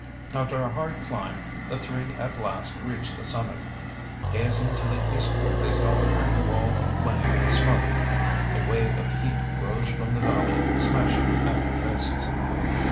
After a hard climb, the three at last reached the summit. Gazing to the eastward they saw a great wall of flame and smoke. A wave of heat rose from the valley, smashing at their faces.